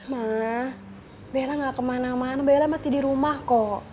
mah bella gak kemana mana bella masih di rumah kok